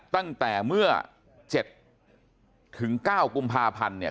ตั้งแต่เมื่อ๗ถึง๙กุมภาพันธ์เนี่ย